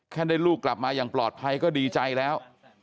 ได้ลูกกลับมาอย่างปลอดภัยก็ดีใจแล้ว